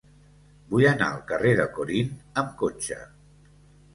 Vull anar al carrer de Corint amb cotxe.